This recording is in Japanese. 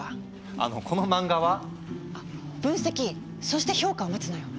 あのこの漫画は？分析そして評価を待つのよ。